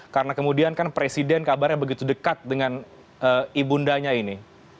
karena kemudian kan presiden kabarnya begitu dekat dengan ibu neda ini